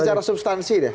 secara substansi deh